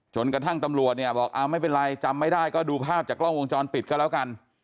จนกระทั่งตำรวจเนี่ยบอกไม่เป็นไรจำไม่ได้ก็ดูภาพจากกล้องวงจรปิดก็แล้วกัน